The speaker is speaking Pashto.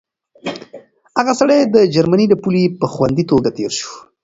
هغه سړی د جرمني له پولې په خوندي توګه تېر شو.